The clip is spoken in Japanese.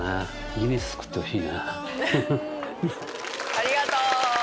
ありがとう！